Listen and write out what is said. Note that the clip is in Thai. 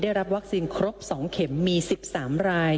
ได้รับวัคซีนครบ๒เข็มมี๑๓ราย